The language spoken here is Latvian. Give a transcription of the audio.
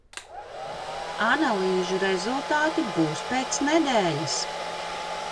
Analīžu rezultāti būs pēc nedēļas!